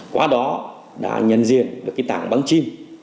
quá đó đã nhân diện được cái tảng băng chìm